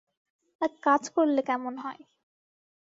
এক কাজ করলে কেমন হয়?